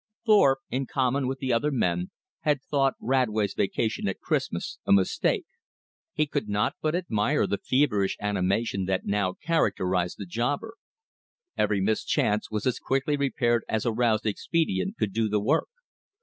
Thorpe, in common with the other men, had thought Radway's vacation at Christmas time a mistake. He could not but admire the feverish animation that now characterized the jobber. Every mischance was as quickly repaired as aroused expedient could do the work.